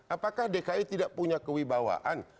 apakah dki tidak punya kewibawaan